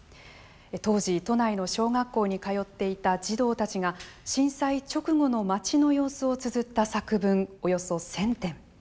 当時、都内の小学校に通っていた児童たちが、震災直後の町の様子をつづった作文およそ１０００点。